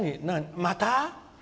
また？